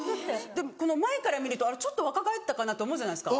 で前から見ると若返ったかなと思うじゃないですか。